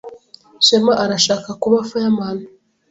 Shema arashaka kuba fireman.